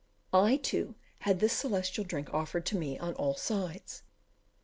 I, too, had this celestial drink offered to me on all sides.